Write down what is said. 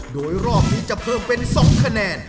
โดยรอบนี้จะเพิ่มเป็น๒คะแนน